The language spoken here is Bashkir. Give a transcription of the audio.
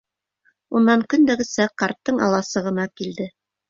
Унан, көндәгесә, ҡарттың аласығына килде.